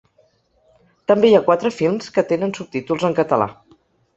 També hi ha quatre films que tenen subtítols en català.